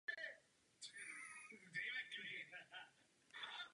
Román obsadil třetí místo v Kosmas ceně čtenářů v soutěži Magnesia Litera.